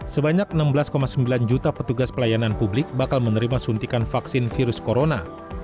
sebanyak enam belas sembilan juta petugas pelayanan publik bakal menerima suntikan vaksin virus corona